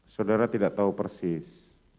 saudara tidak tahu persis